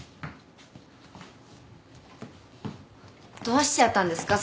どうしちゃったんですか？